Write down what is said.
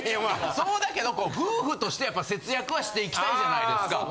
そうだけど夫婦として節約はしていきたいじゃないですか。